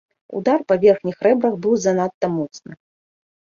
Удар па верхніх рэбрах быў занадта моцны.